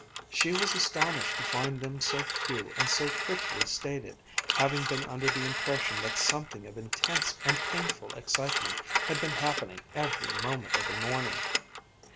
She was astonished to find them so few and so quickly stated, having been under the impression that something of intense and painful excitement had been happening every moment of the morning.